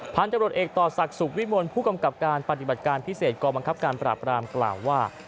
ตำรวจเอกต่อศักดิ์สุขวิมลผู้กำกับการปฏิบัติการพิเศษกองบังคับการปราบรามกล่าวว่า